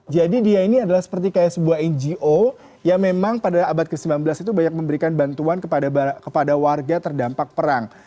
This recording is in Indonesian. jadi dia ini adalah seperti sebuah ngo yang memang pada abad ke sembilan belas itu banyak memberikan bantuan kepada warga terdampak perang